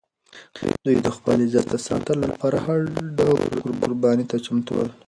دوی د خپل عزت د ساتلو لپاره هر ډول قربانۍ ته چمتو ول.